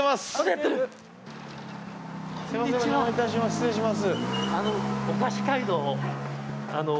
失礼します。